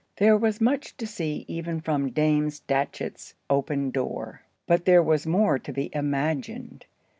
There was much to see even from Dame Datchett's open door, but there was more to be imagined.